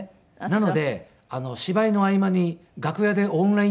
なので芝居の合間に楽屋でオンライン授業を受けて。